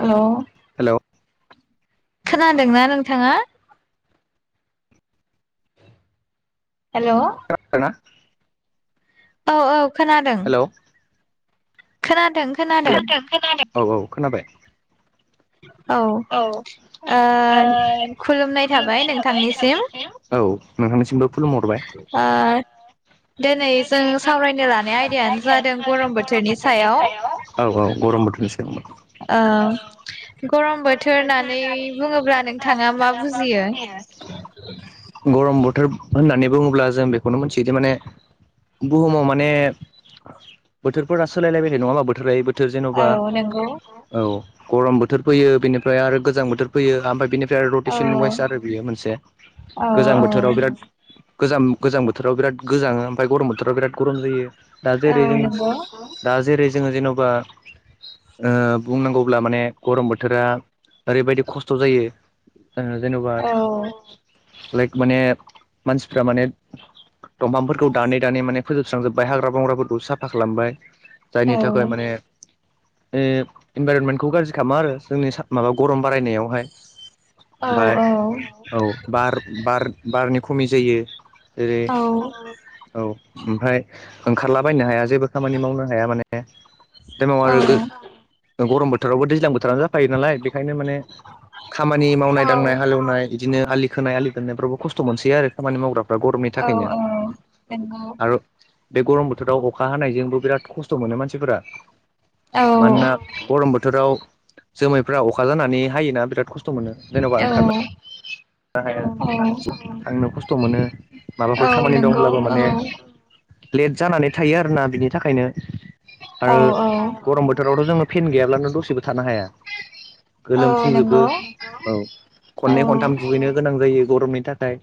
हेल' hello खोनादोंना नोंथाङा? Hello खोनादोंना औ औ खोनादों हेलौ खोनादों। खोनादों हेल' खोनादों औ औ खोनाबाय औ ओ ओ खुलुमनाय थाबाय नोंथांनिसिम औ नोंथांनिसिमबो आर दोनै जों सावरायनो लानाय आयदायानो जादों गरम बोथोरनि सायाव औ औ गरम बोथ [unintelligible] औ गरम बोथोर होननानै बुङोब्ला नोंथाङा मा बुजियो? [inaudible] गरम बोथोर होननानै बुङोब्ला जों बेखौनो मोनथियोदे माने बुहुमाव माने बोथोरफोरा सोलायलायबाय थायो नङाहोमबा बोथोलायै बोथोर थोर जेन'बा औ नोंथां औ गरम बोथोर फैयो बेनिफ्राय आरो गोजां बोथोर फैयो आमफाय बिनि टार औ रटेसन वाइस आरो बियो मोनसे औ गोजां औ बोथोराव बिराद गोम गोजां बोथोराव बिराद गोजाङो ओमफाय गरम बोथोराव बिराद गरम जायो। दा जेरै जों औ नंगौ दा जेरै जोङो जेन'बा ओ बुंनांगौब्ला माने गरम बोथोरा ओरैबायदि खस्थ' जायो ओ जेन'बा औ लाइक माने मानसिफ्रा माने दंफांफोर फोजोबस्रांजोबबाय हाग्रा बंग्राफोरखौ साफा खालामबाय औ जायनि थाखाय माने ने इनभाइरनमेन्टखौ गाज्रि खामो आरो जोंनि माबा गरम बारायनायावहाय औ ओमफाय औ औ बार बार बारनि खमि जायो जेरै औ ओमफाय ओंखारला बायनो हाया जेबो खामानि मावनो हाया माने टाइमाव आरो औ गो गरम बोथोरावबो दैज्लां बोथोरानो जाफायो नालाय ओंखायनो माने खामानि मावनाय दांनाय हालेवनाय इदिनो आलि खोनाय आलि खोननायफ्राबो खस्थ' मोनसैयो आरो खामानि मावग्राफ्रा गरमनि औ थाखैनो औ नंगौ आर' बे गरम बोथोराव अखा हानायजोंबो बिराद खस्थ' मोनो मानसिफोरा औ मानोना गरम बोथोराव जोमैफ्रा अखा जानानै हायोना बिराद खस्थ थ' मोनो जेन'बा औ ओंखारना ना हाया औ थांनो खस्थ' मोनो औ माबाफोर खामानि दं नंगौ औ लेट जानानै थायो आरोना बिनि थाखायनो औ आरो औ गरम बोथोरावथ' जोङो फेन गैयाब्लानो दसेबो थानो हाया औ गोलोमफुंजोबो नंगौ औ नंगौ औ खननै खनथाम दुगैनो गोनां जायो। गरमनि थाखाय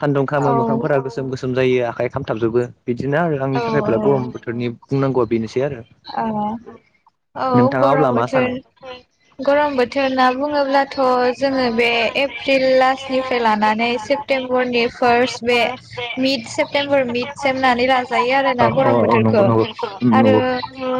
सान्दुं औ खामो मोखांफोरा गोसोम गोसोम जायो आखाइ खामथाबजोबो बिदिनो आरो आंनि औ थाखायब्ला गरम बोथोरनि बुंनांगौया बेनोसै आरो औ औ नोंथाङा अब्ला गरम मा बोथोर सानो? गरम बोथोर ना बुङोब्लाथ' जोङो बे एप्रिल लास्टनिफ्राय लानानै सेप सेप्तेम्बरनि फार्स्ट बे मिट सेप्तेम्बर मिट सेम नानै लाजायो ना औ आरो औ गरम औ नंगौ बोथोरखौ नंगौ उम आरो नंगौ।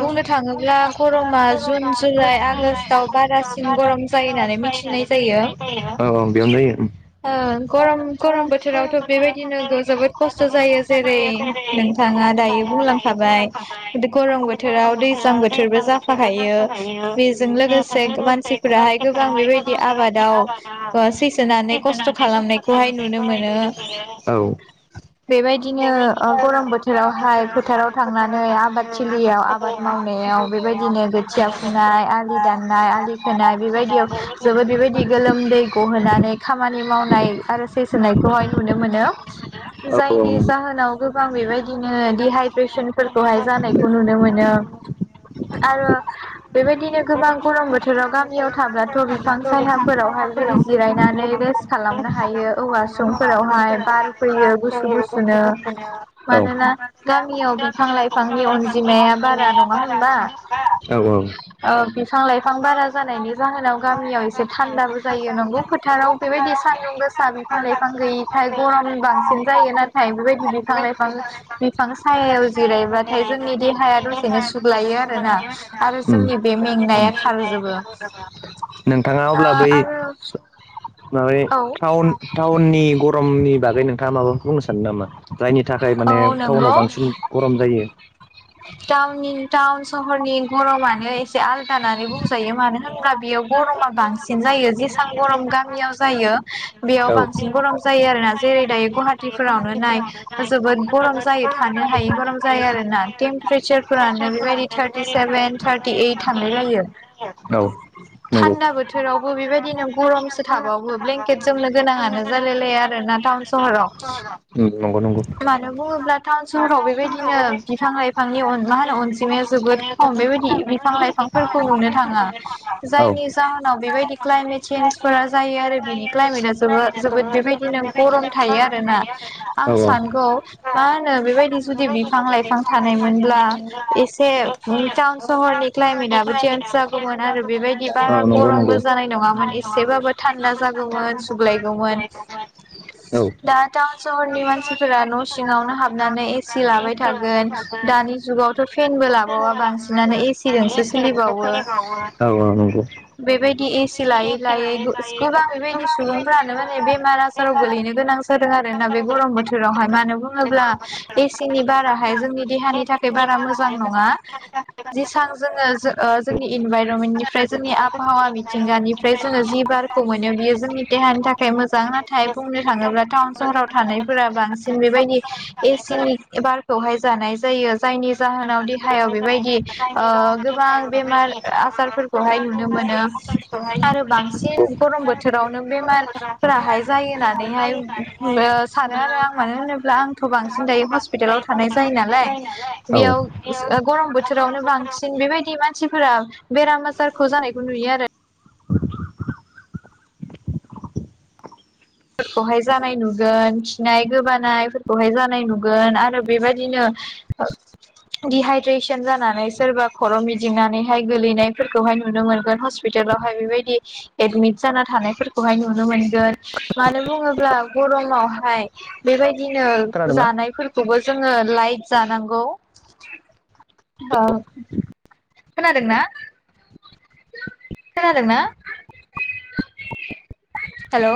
बुंनो थाङोब्ला गरमा जुन जुलाइ आगष्टआव बारासिन गरम जायो नानै मि औ बेयाव नायो ओ गरम गरम बोथोरावथ' बेबायदिनो गो जोबोद खस्थ' जायो जेरै नोंथाङा दायो बुंलांखाबाय गरम बोथ बोथोराव दैज्लां बोथोरबो जाफाहायो बेजों लोगोसे मानसिफोराहाय गोबां बेबाय बिदि आबादाव अ सैसोनानै खस्थ' खालामनायखौहाय नुनो मोनो औ बेबायदिनो गरम बोथोरावहाय फोथाराव थांनानै आबाद थिलियाव आबाद मावनायाव बेबायदिनो गोथिया फुनाय आलि दाननाय आलि खोनाय बेबायदियाव बेबायदि गोलोमदै गहोनानै खामानि मावनाय आरो सैसोनायखौहाय नुनो मोनो जो जायनि जाहोनाव गोबां बेबायदिनो दिहायद्रेसोनफोरखौहाय जानायखौ नुनो मोनो। बिनो आरो बेबायदिनो गोबां गरम बोथोराव गामियाव थाब्लाथ' बिफां सायहाफोरावहाय बिदि जिरायनानै रेस् खालामनो हायो औवा समफोरावहाय बार फैयो गुसु। गुसुनो औ मानोना गामियाव बिफां-लाइफांनि अनजिमाया बारा नङा होनबा औ उम ओ बिफां-लाइफां बारा जानायनि जाहोनाव गामियाव एसे थान्दाबो जायो नंगौ फोथाराव। बेबायदि सान्दुं गोसा बिफां-लाइफां गैयिथाय गरम बांसिन जा- जायो नाथाय बेबायदि बिफां-लाइफां बिफां सायायाव जिरायब्लाथाय जोंनि देहाया द- बिनो सुग्लायो आरो ना आरो जोंनि बे मेंनाया खारजोबो आ-आरो माबे थाउन-थाउननि गरमनि बागै नोंथाङा माबाफोर बुंनो सानदों नामा? जायनि थाखाय माने औ थाउनाव बांसिन गरम जायो। टाउननि-टाउन सहरनि गरमानो एसे आलदा नानै बुंजायो मानो होनब्ला बेयाव गरमा बांसिन जायो जेसां गरम गामियाव जायो बेयाव औ बांसिन गरम जायो आरो ना ज- जेरै दायो गहाटिफोरावनो नाय जोबोद गरम जायो थानो हायै गरम जायो आरो ना टेमप्रेचार फोरानो बेबायदि थार्टि सेेन बेन थारटि एट थांलायलायो। थान्दा बोथोरावबो बेबायदिनो गरमसो थाबावो ब्लेंकेट जोमनो गोनां आ- नो-जालायलाया आरो ना टाउन-सहराव। मानो बुङोब्ला थाउन-सहराव बेबायदिनो बिफां-लाइफांनि अन मा होनो अनजिमाया जो- जोबोद खम बेबायदि बिफां-लाइफांफोरखौ नुनो थाङा जायनि जाहोनाव बेबायदि क्लायन- काइमेट चेन्जफोरा जायो आरो बिनि क्लाइमेटआ जोबो-जोबोद बेबायदिनो गरम थायो आरो ना। आं सानगौ मा होनो बेबायदि जुदि बिफां-लाइफां थानायमोनब्ला एसे- उम टाउन सहरनि क्लायमेटआबो चेन्स जागौमोन आरो बेबायदि औ नंगौ औ बारा नंगौ गरमबो नंगौ जानाय नङामोन। एसेबाबो थान्दा जागौमोन सुग्लायगौमोन औ दा टाउनस- सहरनि मानसिफोरा न' सिङावनो हाबनानै एसि लाबाय थागोन दानि जुगावथ' फेनबो- लाबावा बांसिनानो एसिजोंसो सोलिबावो। औ औ नंगौ बेबायदि एसि लायै-लायै गो-गोबां बेबायदि सुबुंफ्रानो माने बेमार-आजाराव गोलैनो गोनां- दों आरो ना बे गरम बोथोरावहाय मानो बुङोब्ला एसिनि बाराहाय जोंनि देहानि थाखाय बारा- मोजां नङा जेसां जोङो जो-ओ-जोंनि इनभार'मेन्टनिफ्राय जोंनि आबहावा बि- मिथिंगानिफ्राय जोङो जि बारखौ मोनो बियो जोंनि देहानि थाखाय मोजां, नाथाय बुंनो थाङोब्ला टाउन- सहराव थानायफोरा बांसिन बेबायदि एसिनि बारखौहाय जानाय जायो। जायनि जाहोनाव देहायाव बेबायदि ओ-गोबां बेमार आसारफोरखौहाय नुनो मोन- मोन्दों आरो बांसिन गरम बोथोरावनो बेमारफोराहाय जायो नानै हाय- उम-ओ सानो आरो आं मानो होनोब्ला आंथ' बांसिन दायो हस्पिटालाव थानाय जायो नालाय। औ बेयाव स-ओ गरम बोथोरावनो बांसिन बेबायदि- नि मानसिफोरा बेराम आजारखौ जानायखौ नुयो आरो [unintelligible] खौहाय जानाय नुगोन खिनाय गोबानायफोरखौहाय जानाय नुगोन आरो बेबायदिनो ओ दिडहाइद्रेसन जानानै सोरबा खर' मिदिंनानैहाय गोलैनायफोरखौहाय नुनो मोनगोन हस्पिटाल हेल आवहाय बेबायदि एदमिट जाना थानायफोरखौहाय नुनो मोनगोन मानो बुङोब्ला गरमावहाय बेबायदिनो खोनादोंना जानायफोरखौबो जोङो लाइट जानांगौ होनोनादोंना खोनादोंना हेल'